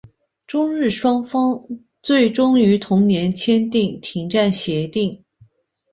中日双方最终于同年签订停战协定。